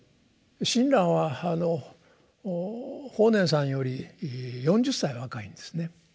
親鸞は法然さんより４０歳若いんですね。